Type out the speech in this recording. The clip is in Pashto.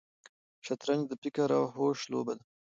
شطرنج د فکر او هوش لوبه ده.